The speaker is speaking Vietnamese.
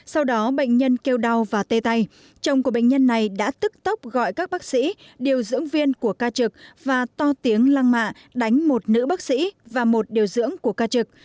sau đó bệnh nhân kêu đau và tê tay chồng của bệnh nhân này đã tức tốc gọi các bác sĩ điều dưỡng viên của ca trực và to tiếng lăng mạ đánh một nữ bác sĩ và một điều dưỡng của ca trực